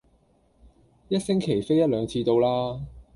一星期飛一兩次到啦